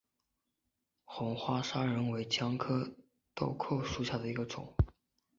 红花砂仁为姜科豆蔻属下的一个种。